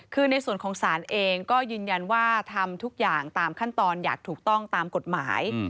คือในส่วนของศาลเองก็ยืนยันว่าทำทุกอย่างตามขั้นตอนอย่างถูกต้องตามกฎหมาย